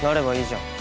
じゃん